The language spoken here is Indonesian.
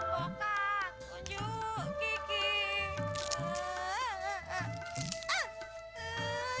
membuka kunjuk gigi